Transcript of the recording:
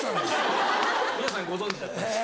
皆さんご存じだった。